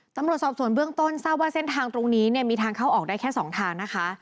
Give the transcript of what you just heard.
ตำรวจสอบส่วนเบื้องต้นทราบว่าเส้นทางตรงนี้เนี่ยมีทางเข้าออกได้แค่๒ทางนะคะ